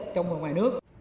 trong và ngoài nước